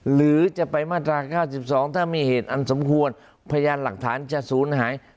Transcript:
หรือจะไปมาตรา๙๒ถ้ามีเหตุอันสมควรพยานหลักฐานจะศูนย์หาย